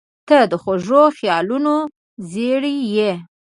• ته د خوږو خیالونو زېری یې.